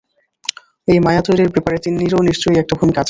এই মায়া তৈরির ব্যাপারে তিন্নিরও নিশ্চয়ই একটি ভূমিকা আছে।